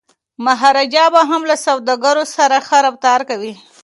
مهاراجا به هم له سوداګرو سره ښه رفتار کوي.